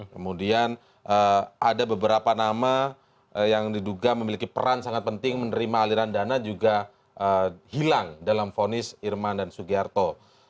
kemudian ada beberapa nama yang diduga memiliki peran sangat penting menerima aliran dana juga hilang dalam vonis irman dan sugiharto